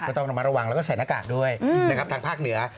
ต้องระมัดระวังแล้วก็ใส่หน้ากากด้วยนะครับทางภาคเหนือ